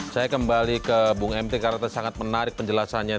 saya kembali ke bung mt karena sangat menarik penjelasannya